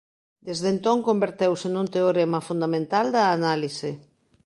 Desde entón converteuse nun teorema fundamental da análise.